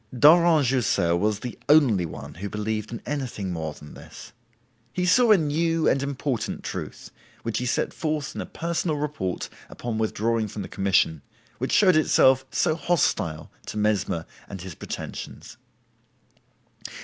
Daurent Jussieu was the only one who believed in anything more than this. He saw a new and important truth, which he set forth in a personal report upon withdrawing from the commission, which showed itself so hostile to Mesmer and his pretensions.